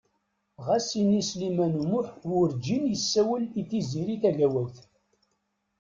Xas ini Sliman U Muḥ wurǧin yessawel i Tiziri Tagawawt.